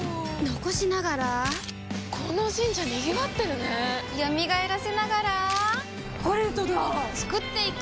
残しながらこの神社賑わってるね蘇らせながらコレドだ創っていく！